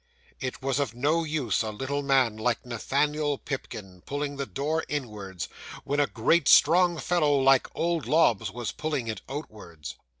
It was of no use a little man like Nathaniel Pipkin pulling the door inwards, when a great strong fellow like old Lobbs was pulling it outwards.